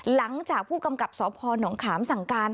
หลังจากผู้กำกับสพนขามสั่งการ